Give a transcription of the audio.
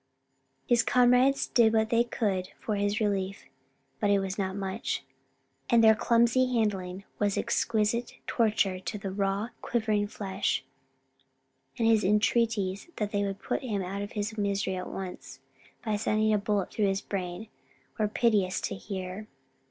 His comrades did what they could for his relief; but it was not much, and their clumsy handling was exquisite torture to the raw, quivering flesh, and his entreaties that they would put him out of his misery at once, by sending a bullet through his brain, were piteous to hear.